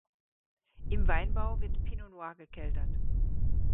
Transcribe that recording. Im Weinbau wird Pinot noir gekeltert.